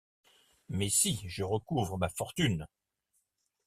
Mais si je recouvre ma fortune !…